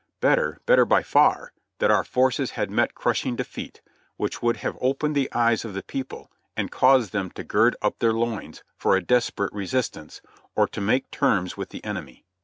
Better — better by far — that our forces had met crushing defeat, which would have opened the eyes of the people and caused them to "gird up their loins" for a desperate resistance, or to make terms with the enemy.